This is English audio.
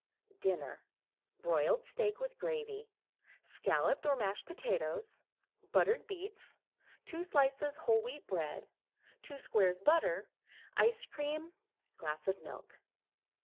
DINNER Broiled steak with gravy; scalloped or mashed potatoes; buttered beets; 2 slices whole wheat bread; 2 squares butter; ice cream; glass of milk.